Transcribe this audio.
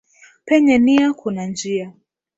Penye nia kuna njia.